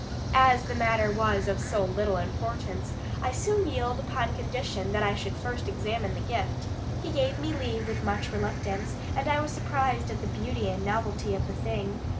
As the matter was of so little importance, I soon yielded upon condition that I should first examine the gift. He gave me leave with much reluctance, and I was surprised at the beauty and novelty of the thing.